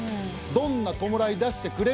どんな弔い出してくれる？